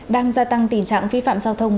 đang gia tăng tình trạng vi phạm giao thông